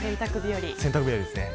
洗濯日和ですね。